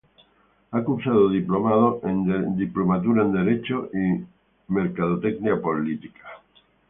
Ha cursado diplomados en Derecho Familiar y Mercadotecnia Política.